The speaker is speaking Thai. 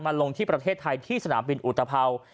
ลงที่ประเทศไทยที่สนามบินอุตภัวร์